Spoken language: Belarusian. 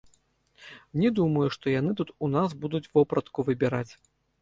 Не думаю, што яны тут у нас будуць вопратку выбіраць.